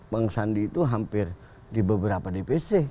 bang sandi itu hampir di beberapa dpc